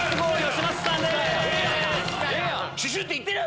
シュシュっていってる？